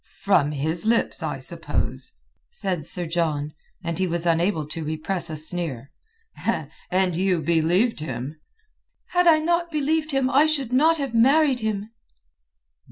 "From his lips, I suppose?" said Sir John, and he was unable to repress a sneer. "And you believed him?" "Had I not believed him I should not have married him."